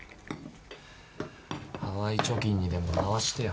ハワイ貯金にでも回してよ。